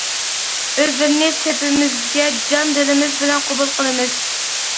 ئۆزلىرىنى سېپىمىزگە جان- دىلىمىز بىلەن قوبۇل قىلىمىز.